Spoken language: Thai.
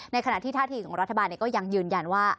ขณะที่ท่าทีของรัฐบาลก็ยังยืนยันว่า